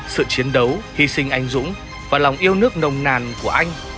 sự chiến đấu hy sinh anh dũng và lòng yêu nước nồng nàn của anh